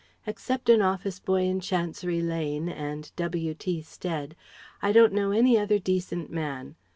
Except an office boy in Chancery Lane and W.T. Stead, I don't know any other decent man.